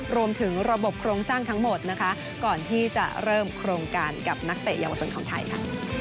รวมถึงระบบโครงสร้างทั้งหมดนะคะก่อนที่จะเริ่มโครงการกับนักเตะเยาวชนของไทยค่ะ